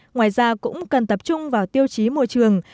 ngoài ra cũng cần tập trung vào tiêu chí môi trường